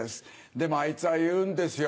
でもあいつは言うんですよ。